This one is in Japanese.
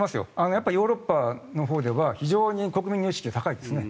やっぱりヨーロッパのほうでは非常に国民の意識が高いですね。